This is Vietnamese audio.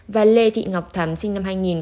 và lê thị ngọc thắm sinh năm hai nghìn